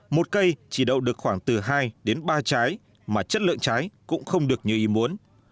một cây chỉ đậu được khoảng từ hai đến ba trái mà chất lượng trái cũng không được như ý muốn